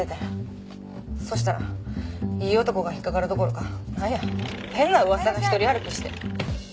そしたらいい男が引っかかるどころかなんや変な噂が一人歩きして。